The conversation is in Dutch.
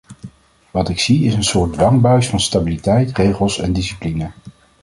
Wat ik zie is een soort dwangbuis van stabiliteit, regels en discipline.